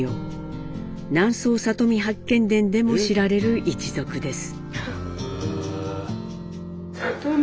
「南総里見八犬伝」でも知られる一族です。